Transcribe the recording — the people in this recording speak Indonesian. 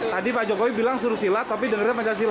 tadi pak jokowi bilang suruh silat tapi dengernya pancasila